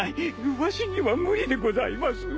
わしには無理でございます。